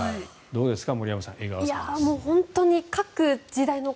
どうですか？